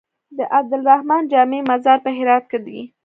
د عبدالرحمن جامي مزار په هرات کی دی